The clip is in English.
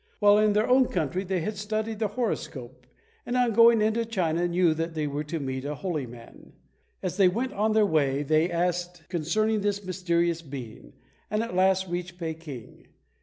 While in their own country they had studied the horoscope, and on going into China knew that they were to meet a Holy Man. As they went on their way they asked concerning this mysterious being, and at last reached Peking.